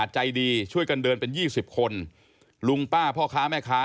ใจดีช่วยกันเดินเป็น๒๐คนลุงป้าพ่อค้าแม่ค้า